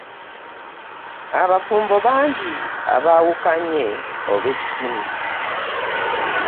Abafumbo bangi abaawukanye olw'essimu.